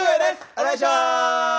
お願いします。